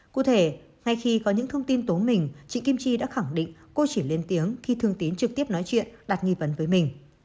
cụ thể ngay khi có những thông tin tố mình chị kim chi đã khẳng định cô chỉ lên tiếng khi thương tín trực tiếp nói chuyện đặt nghi vấn với mình